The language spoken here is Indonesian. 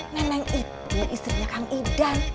neneng itu istrinya kang idan